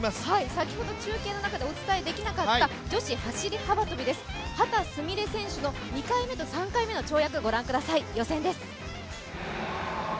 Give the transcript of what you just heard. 先ほど中継の中でお伝えできなかった女子走幅跳です、秦澄美鈴選手の２回目と３回目の跳躍ご覧ください、予選です。